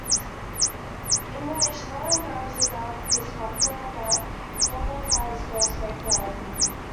Enraged, Sloan grabs a guard's disruptor but Koval fires first, vaporizing him.